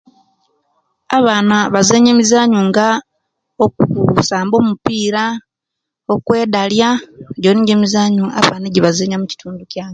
Abaana bazenya emizaanyo nga okusamba omupiira, okwebala, ejjo nijo mizaanyo abaana ejibazaanya omukintu kyange.